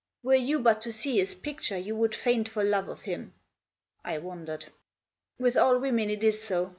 " Were you but to see his picture you would faint for love of him." I wondered. " With all women it is so.